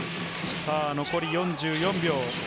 残り４４秒。